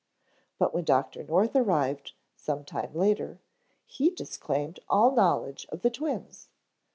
But when Dr. North arrived, some time later, he disclaimed all knowledge of the twins.